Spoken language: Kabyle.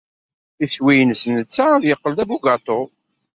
Iswi-nnes netta ad yeqqel d abugaṭu.